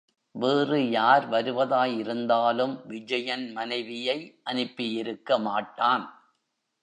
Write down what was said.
வேறு யார் வருவதாய் இருந்தாலும் விஜயன் மனைவியை அனுப்பியிருக்க மாட்டான்.